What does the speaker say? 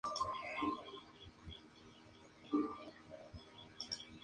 Se alimenta de insectos alados.